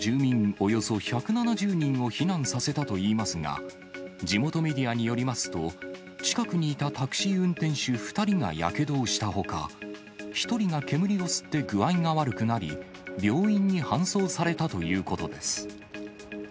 およそ１７０人を避難させたといいますが、地元メディアによりますと、近くにいたタクシー運転手２人がやけどをしたほか、１人が煙を吸って具合が悪くなり、病院に搬送されたということです。